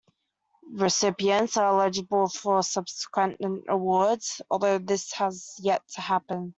Recipients are eligible for subsequent awards, although this has yet to happen.